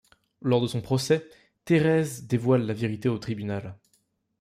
Lors de son procès, Thérèse dévoile la vérité au tribunal.